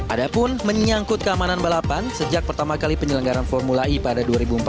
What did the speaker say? ada pun menyangkut keamanan balapan sejak pertama kali penyelenggaran formula e pada dua ribu empat belas